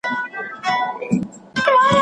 کمپيوټر ډومين ثبتوي.